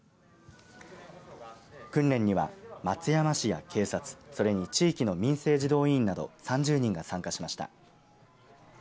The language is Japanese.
訓練には松山市や警察それに地域の民生児童委員など３０人が参加しました。